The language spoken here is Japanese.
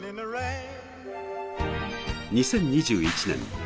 ２０２１年